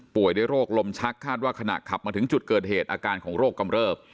ด้วยโรคลมชักคาดว่าขณะขับมาถึงจุดเกิดเหตุอาการของโรคกำเริบ